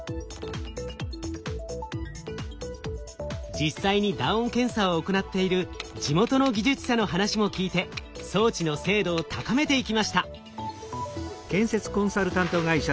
実際に打音検査を行っている地元の技術者の話も聞いて装置の精度を高めていきました。